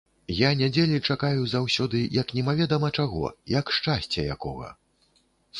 Я нядзелі чакаю заўсёды, як немаведама чаго, як шчасця якога.